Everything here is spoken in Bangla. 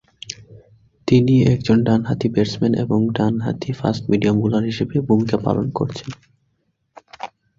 তিনি একজন ডানহাতি ব্যাটসম্যান এবং ডানহাতি ফাস্ট মিডিয়াম বোলার হিসাবে ভূমিকা পালন করছেন।